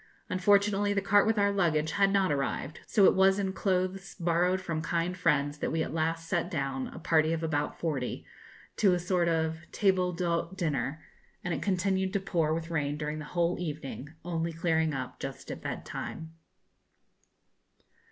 Unfortunately the cart with our luggage had not arrived, so it was in clothes borrowed from kind friends that we at last sat down, a party of about forty, to a sort of table d'hôte dinner, and it continued to pour with rain during the whole evening, only clearing up just at bed time.